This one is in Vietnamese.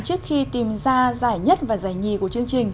trước khi tìm ra giải nhất và giải nhì của chương trình